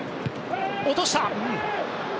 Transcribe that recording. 落とした。